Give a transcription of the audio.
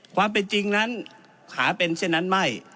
ความเป็นจริงนั้นขาเป็นเส้นนั้นไม่